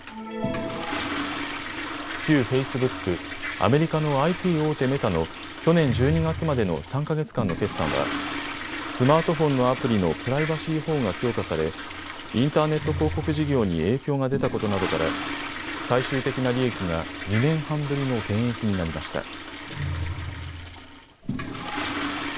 旧フェイスブック、アメリカのＩＴ大手、メタの去年１２月までの３か月間の決算は、スマートフォンのアプリのプライバシー保護が強化されインターネット広告事業に影響が出たことなどから、最終的な利益が２年半ぶりの減益になりました。